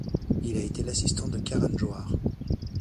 Il a été l'assistant de Karan Johar.